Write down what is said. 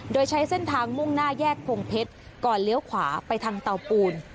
โดยใช้เส้นทางมุ่งหน้าแยกพงเพชรก่อนเลี้ยวขวาไปทางเตาปูน